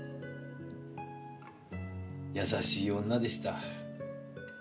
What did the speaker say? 優しい女でした。